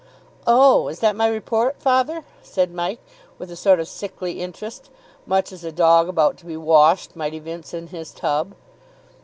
"Oh, is that my report, father?" said Mike, with a sort of sickly interest, much as a dog about to be washed might evince in his tub.